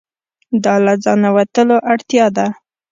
دا له ځانه وتلو اړتیا ده.